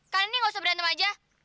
kalian nih gak usah berantem aja